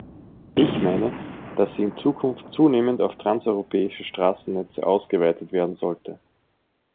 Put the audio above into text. Ich meine, dass sie in Zukunft zunehmend auf transeuropäische Straßennetze ausgeweitet werden sollten.